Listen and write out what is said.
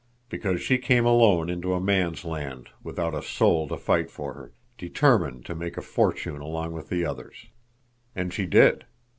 "Because she came alone into a man's land, without a soul to fight for her, determined to make a fortune along with the others. And she did.